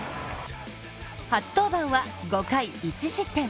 初登板は５回１失点。